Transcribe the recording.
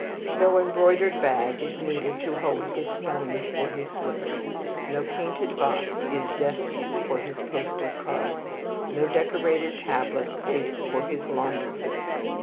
No embroidered bag is needed to hold his sponge or his slippers. No painted box is destined for his postal cards. No decorated tablet waits for his laundry list.